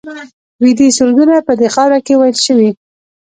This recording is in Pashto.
ویدي سرودونه په دې خاوره کې ویل شوي